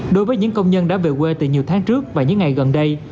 đối với những công nhân đã về quê từ nhiều tháng trước và những ngày gần đây